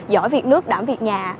giỏi việc nước đảm việc nhà